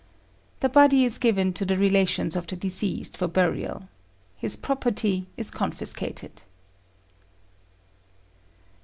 The body is given to the relations of the deceased for burial. His property is confiscated.